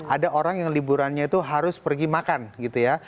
ada orang yang liburannya itu harus pergi makan gitu ya